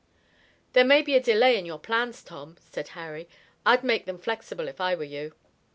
"There may be a delay in your plans, Tom," said Harry. "I'd make them flexible if I were you."